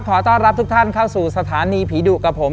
ขอต้อนรับทุกท่านเข้าสู่สถานีผีดุกับผม